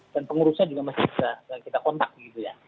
dan pengurusnya juga masih sudah kita kontak gitu ya